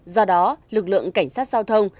do đó lực lượng cảnh sát giao thông